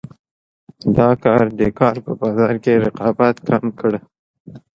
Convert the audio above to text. دا کار د کار په بازار کې رقابت کم کړ.